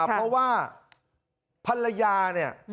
เพราะว่าภรรยาเนี่ย